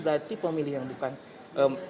berarti pemilih yang bukan